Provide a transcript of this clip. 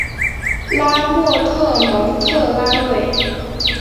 拉莫特蒙特拉韦。